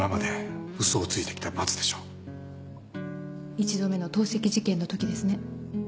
１度目の投石事件のときですね。